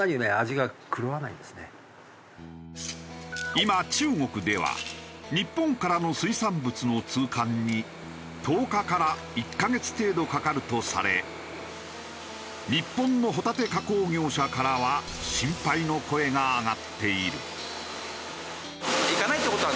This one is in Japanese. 今中国では日本からの水産物の通関に１０日から１カ月程度かかるとされ日本のホタテ加工業者からは心配の声が上がっている。